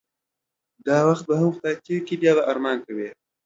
دا وخت به هم خدای تیر کړی بیا به ارمان کوی